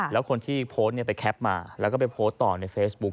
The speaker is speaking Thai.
แล้วคนที่โพสต์ไปแคปมาแล้วก็ไปโพสต์ต่อในเฟซบุ๊ค